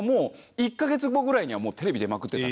１カ月後ぐらいにはもうテレビ出まくってたから。